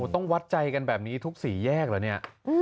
ต้องวัดใจกันแบบนี้ทุกสี่แยกเหรอเนี่ย